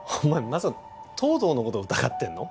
まさか東堂のこと疑ってんの？